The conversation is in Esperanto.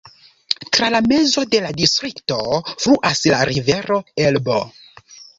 Tra la mezo de la distrikto fluas la rivero Elbo.